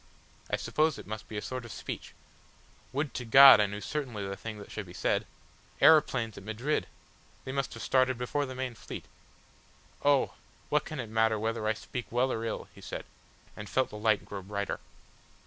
"I suppose it must be a sort of speech. Would to God I knew certainly the thing that should be said! Aeroplanes at Madrid! They must have started before the main fleet. "Oh! what can it matter whether I speak well or ill?" he said, and felt the light grow brighter.